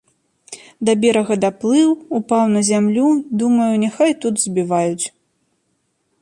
Да берага даплыў, упаў на зямлю, думаю, няхай тут забіваюць.